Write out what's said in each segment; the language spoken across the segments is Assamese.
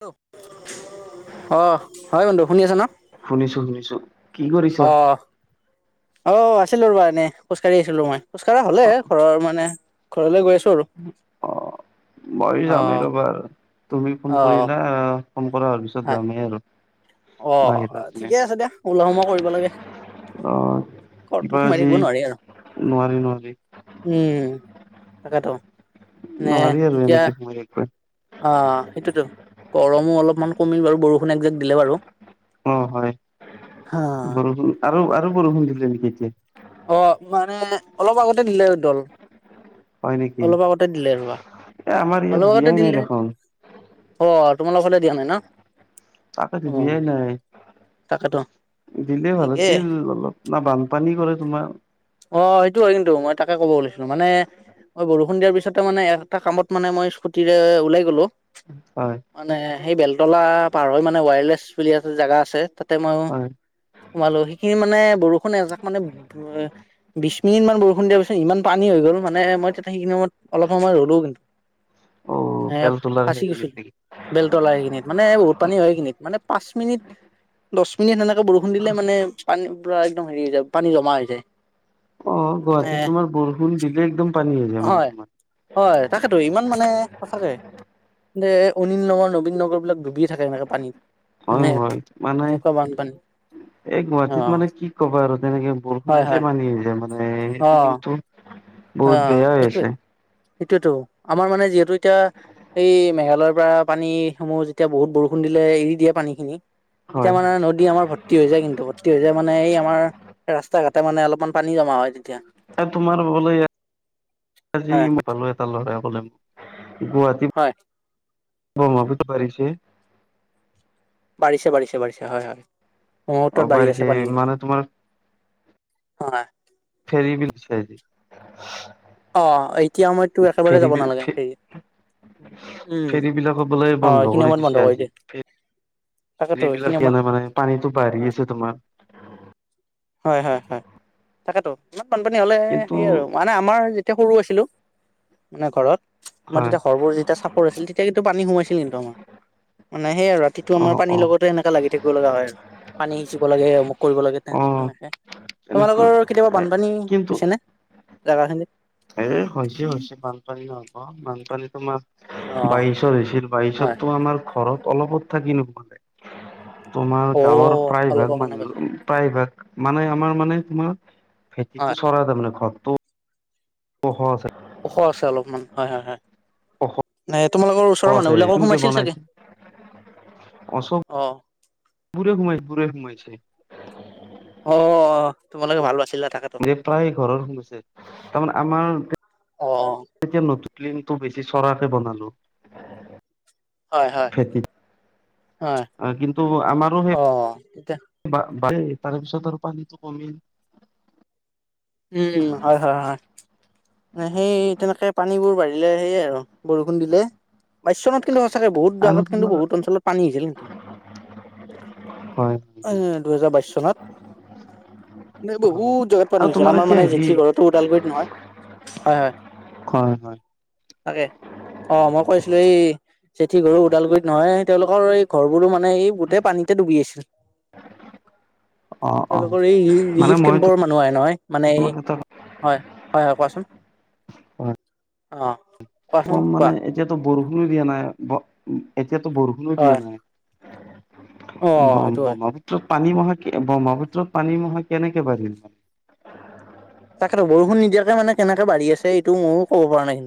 হেল্ল', অ' হয় বন্ধু শুনি আছা ন? শুনিছো শুনিছো কি কৰিছা? অ অ', আছিলো ৰ'বা এনেই খোজকাঢ়ি আছিলো মই খোজকাঢ়া হ'লে অ ঘৰৰ মানে ঘৰলৈ গৈ আছো। আৰু অ', মই অ যাম এই ৰ'বা তুমি ফোন অ কৰিলা আহ। ফোন কৰা হোৱাৰ পিছত হয় যামেই আৰু। অ', বাহিৰৰ পিনে ঠিকে আছে দিয়া ওলোৱা সোমাৱা কৰিব লাগে। অ কিবা ঘৰটোত সোমাই আজি থাকিব নোৱাৰি আৰু নোৱাৰি নোৱাৰি উম। তাকেটো নে নোৱাৰি আৰু এতিয়া এনেকে সোমাই থাকিব অ', সেইটোতো গৰমো অলপমান কমিল বাৰু বৰষুণ একজাক দিলে বাৰু। অ', হয় হা বৰষুণ আৰু আৰু বৰষুণ দিলে নেকি এতিয়া? অ', মানে অলপ আগতে দিলে আৰু এদল। হয় নেকি অলপ আগতে দিলে ৰ'বা এ আমাৰ ইয়াত অলপ আগতে দিয়াই নাই দিলে দেখোন অ'। তোমালোকৰ ফালে দিয়া নাই ন। তাকেটো অ দিয়াই নাই। তাকেতো দিলে ভাল ঠিকে আছিল অলপ ন বানপানী কৰে তোমাৰ। অ', সেইটো হয় কিন্তু মই তাকে ক'ব ওলাইছিলো। মানে মই বৰষুণ দিয়াৰ পিছতে মানে এটা কামত মানে মই স্কুটিৰে ওলাই গ'লো। হয় মানে সেই বেলতলা পাৰ হৈ মানে ৱায়াৰলেছ বুলি আছে জাগা আছে। তাতে মই হয় সোমালো সেইখিনি মানে বৰষুণ এজাক মানে বিশ মিনিটমান বৰষুণ দিয়া পিছত ইমান পানী হৈ গ'ল। মানে মই তেতিয়া সেইখিনি সময়ত অলপ সময় ৰ'লো কিন্তু। অ এ বেলতলাৰ ফাচি গৈছো সেইখিনিত নেকি বেলতলা সেইখিনিত মানে বহুত পানী হয় সেইখিনিত মানে পাঁচ মিনিট দহ মিনিট সেনেকে বৰষুণ দিলে মানে পানী পূৰা একদম হেৰি যায় পানী জমা হৈ যায়। অ', এ গুৱাহাটীত তোমাৰ বৰষুণ দিলে একদম পানী হৈ যায় মানে হয় তোমাৰ। হয়, তাকেতো ইমান মানে সঁচাকে। দে অনিল নগৰ নবীন নগৰবিলাক ডুবিয়ে থাকে এনেকে পানীত। হয় এনে হয় মানে এনেকুৱা বানপানী। এই অ গুৱাহাটীত মানে কি ক'বা আৰু তেনেকে বৰষুণ হয় হয় দিলে মানে মানে অ সেইটো কিন্তু বহুত অ', বেয়া হৈ সেইটোৱে আছে সেইটোৱেতো। আমাৰ মানে যিহেতু এতিয়া এই মেঘালয়ৰ পৰা পানীসমূহ যেতিয়া বহুত বৰষুণ দিলে এৰি দিয়ে পানীখিনি। এতিয়া হয় মানে হয় নদী আমাৰ ভৰ্তি হৈ যায় কিন্তু। ভৰ্তি হৈ যায় মানে এই আমাৰ ৰাস্তা ঘাটে মানে অলপমান পানী জমা হয়। তেতিয়া এ তোমাৰ বোলে আজি হয় [unintelligible] এটা ল'ৰাই ক'লে মোক। গুৱাহাটী হয় ব্ৰহ্মপুত্ৰ বাঢ়িছে। [inaudible] বাঢিছে বাঢ়িছে বাঢ়িছে হয় হয় অ মুহূৰ্তত বাঢ়ি আছে বাঢ়িছে পানী কিন্তু। মানে তোমাৰ হয়। ফেৰি। [unintelligible] অ এতিয়া সময়তটো একেবাৰে যাব নালাগে ফেৰিত। উম ফেৰী বিলাকত বোলে অ এইখিনি সময়ত বন্ধ কৰি দিয়ে। তাকেতো এইবিলাক এইখিনি সময়ত নেনে মানে পানীটো বাঢ়ি অ গৈছে তোমাৰ। হয় হয় হয় তাকেতো ইমান বানপানী হ'লে কিন্তু সেই আৰু মানে আমাৰ। সৰু আছিলো মানে ঘৰত। আমাৰ হয় তেতিয়া ঘৰবোৰ যেতিয়া চাপৰ আছিল তেতিয়া কিন্তু পানী সোমাইছিল কিন্তু আমাৰ। মানে সেইয়ে আৰু ৰাতিটো অ আমাৰ পানীৰ অ লগতে এনেকে লাগি থাকিব লগা হয়। পানী সিঁচিব লাগে অমুক কৰিব লাগে অ তে-তেনেকে। এনেকুৱা তোমালোকৰ কেতিয়াবা বানপানী কিন্তু হৈছে নে জাগাখিনিত। এ হৈছে হৈছে বানপানী নহ'ব বানপানী তোমাৰ। অ বাইশত হৈছিল হয় বাইশততো আমাৰ ঘৰত অলপত থাকি নোসোমালে। তোমাৰ অ গাঁৱৰ প্ৰায় ভাগ অলপৰ কাৰণে গৈছিলো মানুহ প্ৰায় ভাগ মানে আমাৰ মানে তোমাৰ। হয় ভেতিটো চৰা তাৰ মানে ঘৰটো। ওখ আছে। ওখ আছে অলপমান হয় হয় হয় ওখ নে। তোমালোকৰ ওচৰৰ মানুহবিলাকৰ সোমাইছিল চাগে। অ চব বৰে সোমাইছে পুৰে সোমাইছে। অ তোমালোকে ভাল বাচি প্ৰায় ঘৰৰ সোমাইছে তাৰমানে আমাৰ অ এতিয়া নতুন। টো বেছি চৰাকে বনালো। হয় হয়। হয় অ কিন্তু আমাৰো সেই। অ তেতিয়া [unintelligible] [unintelligible] তাৰপিছত আৰু পানীটো কমিল। উম হয় হয় হয় সেই তেনেকে পানীবোৰ বাঢ়িলে সেয়ে আৰু। বৰষুণ দিলে বাইছ চনত কিন্তু সঁচাকে বহুত আৰু জাগাত কিন্তু তোমাৰ বহুত অঞ্চলত পানী হৈছিল। হয় হয় এ দুহেজাৰ বাইশ চনত। মানে হয় বহুত জেগাত পানী আৰু হৈছিল তোমাৰ আমাৰ এতিয়া মানে হেৰি জেঠী ঘৰতো ওদালগুৰিত নহয় হয় হয়। হয় হয়। তাকে অ মই কৈ আছিলোঁ এই জেঠী ঘৰো ওদালগুৰিত নহয় তেওঁলোকৰ এই ঘৰ বোৰো মাত মানে এই গোটেই পানীতে ডুবি আছিল। অ অ তেওঁলোকৰ এই মানে ৰি-ৰিলিফ মই কেম্পৰ মানুহ আহে নহয়। মানে এই তোমাক এটা হয় হয় হয় কোৱাচোন অ। কোৱাচোন কম কোৱা মানে এতিয়াতো বৰষুণো দিয়া নাই এতিয়াতো বৰষুণো দিয়া হয়, নাই। অ', সেইটো হয়, [unintelligible] পানী মহা ব্ৰহ্মপুত্ৰত পানী মহা কেনেকে বাঢ়িল। তাকেতো বৰষুণ নিদিয়াকে মানে কেনেকে বাঢ়ি আছে এইটো মইও ক'ব পৰা নাই।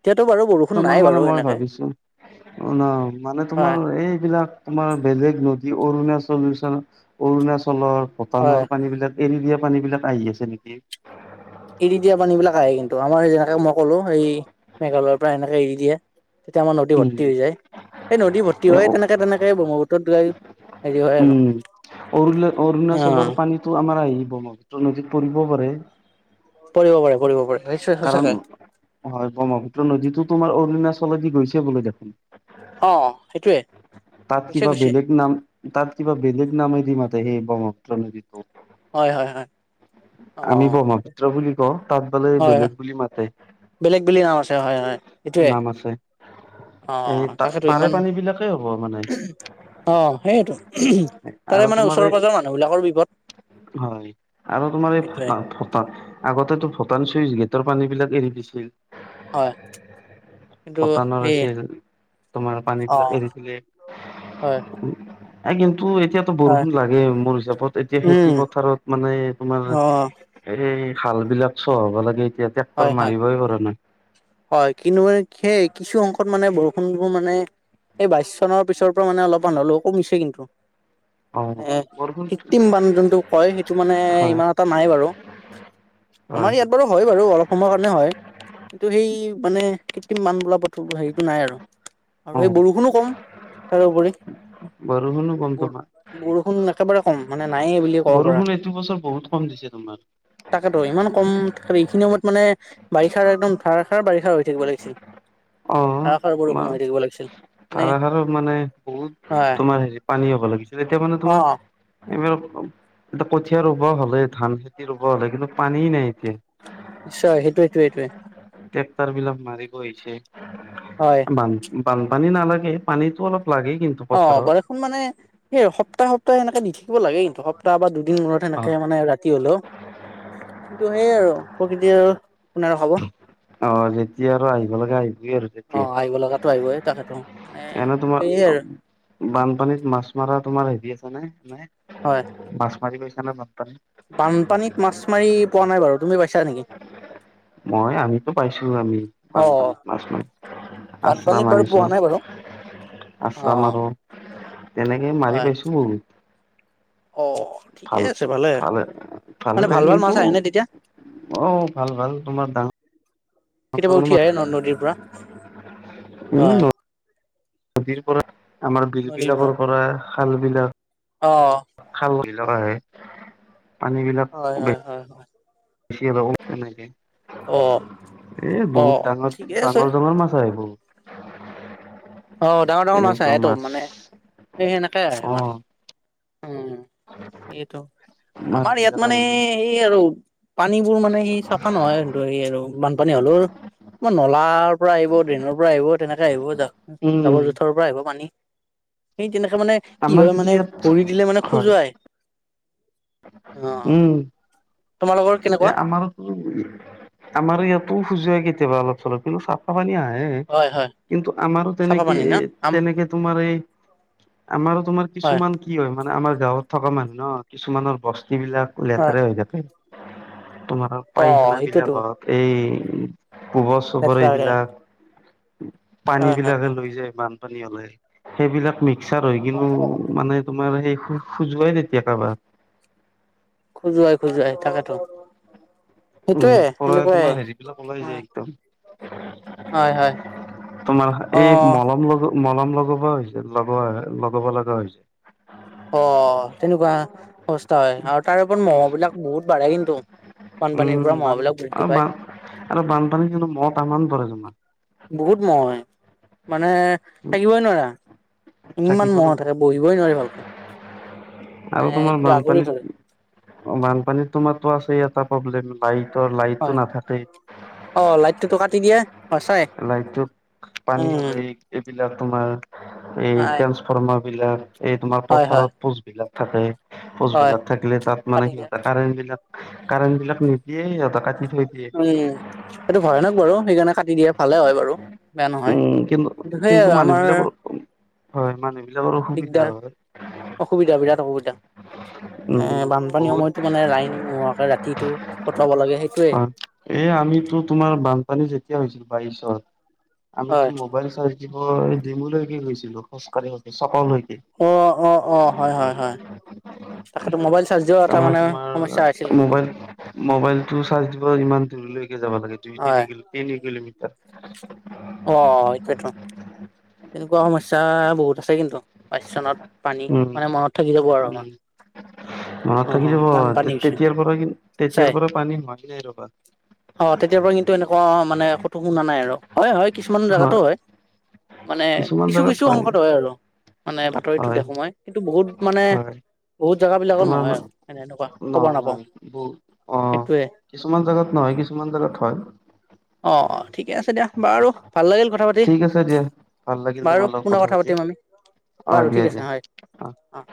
এতিয়াতো বাৰু বৰষুণ তোমাৰ নাই মানে বাৰু মই এনেকে। ভাবিছোঁ। [unintelligible] নহ মানে হয় তোমাৰ এইবিলাক তোমাৰ বেলেগ নতু অৰুণাচল [unintelligible] অৰুণাচলৰ, হয় ভূটানৰ পানী বিলাক এৰি দিয়ে। পানী বিলাক আহি আছে নেকি। এৰি দিয়া পানী বিলাক আহে কিন্তু আমাৰ মই যেনেকে মই ক'লো এই মেঘালয়ৰ পৰা এনেকে এৰি দিয়ে। তেতিয়া আমাৰ নদী উম ভৰ্তি হৈ যায় সেই নদী ভৰ্তি এ হয় তেনেকে তেনেকে ব্ৰহ্মপুত্ৰত গৈ। হেৰি হয় আৰু উম অৰুণ- অ অৰুণাচলৰ পানীটো আমাৰ আহি। ব্ৰহ্মপুত্ৰ নদীত পৰিব পাৰে। পৰিব পাৰে। পৰিব পাৰে নিশ্চয় কাৰণ, সঁচাকে হয়, ব্ৰহ্মপুত্ৰ নদীতো তোমাৰ অৰুণাচলে দি গৈছে বোলে দেখোন! অ' সেইটো তাত কিবা বেলেগ নাম, তাত কিবা বেলেগ নামে দি মাতে সেই বম ত্ৰ নদীটো। হয়, হয়, হয়। অ আমি ব্ৰহ্মপুত্ৰ বুলি কওঁ। তাত বোলে হয় বেলেগ বুলি মাতে। বেলেগ বেলেগ নাম আছে হয় হয় সেইটোয়ে নাম আছে। অ এই তাকেতো তা-তাৰে ইমান পানী বিলাকেই হ'ব মানে। অ', সেয়েটো [unintelligible] তাৰে আৰু মানে তোমাৰ এই ওচৰ-পাজৰৰ মানুহ বিলাকৰ বিপদ। হয়। আৰু তোমাৰ এই সেইটোয়ে ভূটা-ভূটা, আগতেতো ভূটান চুইচ গেটৰ পানী বিলাক এৰি দিছিল‌। হয়। কিন্তু ভূটানৰ সেই আছিল, তোমাৰ অ পানীবিলাক এৰি দিলে। হয়। এ কিন্তু এতিয়াতো হয় বৰষুণ লাগে, মোৰ হিচাপত, এতিয়া উম খেতি-পথাৰত। এ তোমাৰ, অ এই হাল বিলাক চহাব লাগে। এতিয়া ট্ৰেক্টৰ হয়, হয়। মাৰিবই পৰা নাই হয়, কিন্তু মানে খেই কিছু অংশত মানে বৰষুণবোৰ মানে এই বাইছ চনৰ পিছৰ পৰা মানে অলপমান হ'লেও কমিছে কিন্তু। অ এই বৰষুণ কৃত্ৰিম বান যোনটো কয়, সেইটো মানে হয়, ইমান এটা নাই বাৰু। আমাৰ ইয়াত বাৰু হয় বাৰু অলপ সময়ৰ কাৰণে হয়। কিন্তু সেই মানে কৃত্ৰিম বান বোলা হেৰিটো নাই আৰু। আৰু সেই অ', বৰষুণো কম তাৰোপৰি। বৰষুণো কম তোমাৰ। বৰ-বৰষুণ একেবাৰে নে নাইয়ে বুলি ক'ব পাৰা। বৰষুণ এইটো বছৰ বহুত কম দিছে তোমাৰ। তাকেতো ইমান কম, [unintelligible] এইখিনি সময়ত মানে বাৰিষাৰ একদম ধাৰাসাৰ বাৰিষা হৈ থাকিব লাগিছিল। ধাৰাসাৰ বৰষুণ হৈ থাকিব লাগিছিল। মানে তাৰ আৰু মানে বহুত হয় তোমাৰ হেৰি পানী হ'ব লাগিছিল। এতিয়া মানে অ তোমাৰ এইবাৰ অ-এতিয়া কঠীয়া ৰুব হ'লেই, ধান খেতি ৰুব হ'লেই, কিন্তু পানী নাই এতিয়া। নিশ্চয়, সেইটোৱেই-সেইটোৱে-সেইটোৱে। ট্ৰেক্টাৰ বিলাক মাৰিব হৈছে। হয় বান-বানপানী নালাগে, পানীতো অলপ লাগে কিন্তু অ', পথাৰত। বৰষূণ মানে সেই সপ্তাহে-সপ্তাহে এনেকে দি থাকিব লাগে কিন্তু। সপ্তাহ বা দুদ দিন মূৰত সেনেকে অ', মানে ৰাতি হলেওঁ। কিন্তু সেই আৰু প্ৰকৃতি আৰু কোনে ৰখাব অ', যেতিয়া আৰু আহিব লাগে আহ অ', আহিব লগাতো আহিবয়ে, তাকেতো। মানে এনে তোমাৰ, সেয়ে আৰু অ-বানপানীত মাছ মাৰা তোমাৰ হেৰি আছে নে? হয় [unintelligible] মাছ মাৰি পাইছা নে বান? বানপানীত মাছ মাৰি পোৱা নাই বাৰু। তুমি পাইছা নেকি? মই আমিতো পাইছো আমি অ বানপানীত মাছ মাৰি, আচৰা বানপানীত বাৰু মাৰিছো। পোৱা নাই বাৰু অ আচৰা মাৰো, তেনেকে মাৰি হয় পাইছো বহুত। অ ঠিকে আছে ভাল-তা, ভালে, ভালে মানে ভাল লাগে ভাল কিন্তু মাছ আহে নে তেতিয়া অ', ভাল-ভাল তোমাৰ ডাঙ কেতিয়াবা উঠি আহে ন' নদীৰ পৰা? হয় [unintelligible] নদীৰ পৰা, আমাৰ বিল বিলাকৰ পৰা, খাল বিলাক অ', খাল আহে, পানী বিলাক হয়, হয়, হয়, হয়। [inaudible] এ বহুত অ ডাঙৰ, অ ডাঙৰ-ডাঙৰ ঠিকে মাছ আছে আহে বহুত। অ', ডাঙৰ-ডাঙৰ মাছ আহেতো, মানে সেই সেনেকেই অ আহে মাছ। উম এইটো মাছ আমাৰ ইয়াত বিলাক মানে আহিলে সেই আৰু পানীবোৰ মানে সি চাফা নহয় স স আৰু বানপানী হলেও মই নলাৰ পৰা আহিব দিনৰ পৰা আহিব তেনেকে আহিব যাওক উম জাবৰ জোথৰ পৰা আহিব পানী সেই তেনে কে মানে কি আমাৰ হয় কিন্তু মানে ইয়াত ভৰি দিলে মানে হয় খোজুৱাই অ উম, তোমালোকৰ কেনেকুৱা এ আমাৰো আমাৰ ইয়াতো সুজোৱা কেতি কেতিাবা অল চলপ কিন্তু চাফানী আহে হ হয় হয় কিন্তু আমাৰো চাফা তেনেকে পানী না আম তেনেকে তোমাৰ এই আমাৰো তোমাৰ হয় কিছুমান কি হয় মানে আমাৰ গাঁৱত থকা মানুহ ন কিছুমানৰ বস্তু প বিলাক হয় লেতেৰে হৈ যাকে তোমাৰ অ পায়খান সেইটোতো বিলাক এই পোবৰ চোবৰ লেতেৰা হৈ থাকে এইবিলাক পানী হয় হয় বিলাকে হয় লৈ যায় বানপানী হলে সেইবিলাক মিক্সাৰ হৈ কিন্তু মানে তোমাৰ সেই খোজ খোজুৱাই তেতিয়া কাৰোবাৰ খোজুৱাই খোজুৱাই তাকেতো উম সেইটয়ে পৰা তোমাৰ সেনেকুৱাই হেৰি বিলাক ওলাই অ', যায় একদম হয় হয় তোমাৰ অ এই মলম [unintelligible] মলম লগাব হৈছে লগোৱা লগাব লগা হৈছে অ', েনেকুৱা অৱস্থা হয় আৰু তাৰে ওপৰত মহ'হ বিলাক বহুত বাঢ়ে কিন্তু বানপানীৰ উম পৰা মহ বান বিলাক বৃদ্ধি পায় বান আৰু বানপানী কিু মহ তামান পৰে তোমাৰ বহুত মহ মানে থাকিবই নোৱাৰা ইমান থাকিব ম নোৱাৰে। থাকে বহিবই নোৱাৰি ভালকে আৰু মানে তোমাৰ কিবা আগুৰি ধৰে বানপানীত বানপানীত তোমাৰটো আছে এটা প্ৰব্লেম লাইটৰ লাইটটো হয় নাথাকে অ লাইটটোতো কাটি দিয়ে সঁচাই লাইটত পানী উম হলে এইবিলাক তোমাৰ এই হয় ট্ৰেসফ্মাৰ বিলাক এই তোমাৰ হয় হয় পথাৰত পোজবলাক থাকে হয় পোচবেলাত থাকিলে তাত মানে কাটি দিয়ে সিহঁত কাৰেন্ট বিলাক কাৰেণ্ট বিলাক নিদিয়ে সিহঁত কাটি থৈ দিয়ে উম এইটো ভয়ানক বাৰু সেইকাৰণে কাটি দি উম কিন্তু সেই কিন্তু মানুহ আমাৰ বিলাকৰ হয় মানুহাক দিগদাৰ অসুবিধা বিৰাট অসুবিধা উম, এ বানপানীৰ বহুত সময়তো মানে লাইন নোহোৱাকে ৰাতিটো কটোৱাব লাগে সেইটোয়ে আমো তোমাৰ বানপানী যেতিয়া হৈ বাৰত আম হয় ম ম ডেমুলৈকে গৈছিলো খোজকাঢ়ি গ চ অ', অ' হয়, হয়, হয়, তাকেতো মোবাইল চাৰ্জ দিয়াও এটা তাৰমানে মানে তোমাৰ সমস্যা আছিল কিন্তু মোবাইল মোবাইলতটো চাৰ্জ দিব ইমান দূৰলৈকে যাব লাগে দুই হয় তিনি ক তিনি কিলোমিটাৰ অ', এইটোতো তেনেকুৱা সমস্যা বহুত আছে কিন্তু পচনত পানী মানে মনত থাকি যাব আৰু আমাৰ [unintelligible] ঘৰত থাকি অ', যাব ইমান পানী হৈছিল তেতিয়াৰ পৰা কি সঁচাই তেতিয়াৰ পৰা পানী হোোৱাক নাই ৰবা অ', তেতিয়াৰ পৰা কিন্তু এনেকুৱা মানে শুনা নাই আৰু হয় হয় কিছুমান জোগাতো হয় মানে কিছুমান কিছু জেগাত কিছু অংকত হয় আৰু মানে বাতৰিতো হয়, দেো মাই কিন্তু বহুত মানে হয়, বহুত জোগা বিলাকত তোমাৰ নহয় আৰু এনে এনেকুৱা খবৰ নহয়, নাপাও নহয় বহুত অ', সটোৱে কিছুমান জেগাত নহয় কিছুমান জেগাত হয় অ', ঠিকে আছে দিয়া বাৰু ভাল লাগিল কথা পাতি ঠিক আছে দিয়া ভাল লাগিল বাৰু তোমাৰ লগত কোনৰ কথা পাতি। পাতিম আমি অ বাৰু দিয়া ঠিক আছে দিয়া হয় অ',